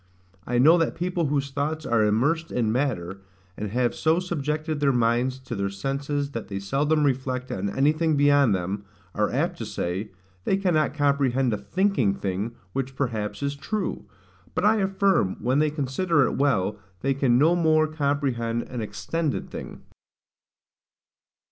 I know that people whose thoughts are immersed in matter, and have so subjected their minds to their senses that they seldom reflect on anything beyond them, are apt to say, they cannot comprehend a THINKING thing which perhaps is true: but I affirm, when they consider it well, they can no more comprehend an EXTENDED thing.